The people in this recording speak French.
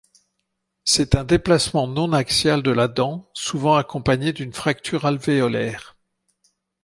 C'est un déplacement non axial de la dent souvent accompagné d'une fracture alvéolaire.